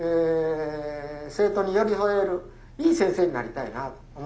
生徒に寄り添えるいい先生になりたいなと思ったんですね。